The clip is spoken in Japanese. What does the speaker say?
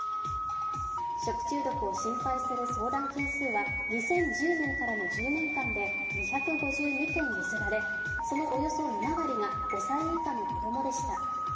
食中毒を心配する相談件数は２０１０年からの１０年間で２５２件寄せられそのおよそ７割が５歳以下の子供でした。